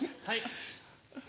はい。